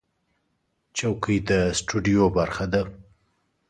چوکۍ د سټوډیو برخه ده.